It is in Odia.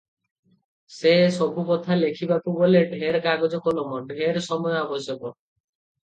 ସେ ସବୁ କଥା ଲେଖିବାକୁ ଗଲେ ଢେର କାଗଜ କଲମ, ଢେର ସମୟ ଆବଶ୍ୟକ